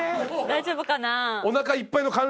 大丈夫かな？